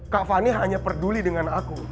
kak fani hanya peduli dengan aku